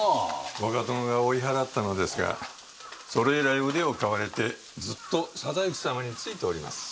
若殿が追い払ったのですがそれ以来腕を買われてずっと定行様についております。